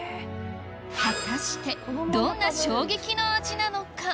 果たしてどんな衝撃の味なのか？